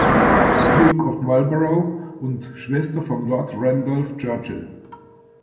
Duke of Marlborough, und Schwester von Lord Randolph Churchill.